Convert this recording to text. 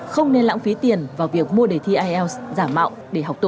không nên lãng phí tiền vào việc mua đề thi ielts giả mạo để học tổ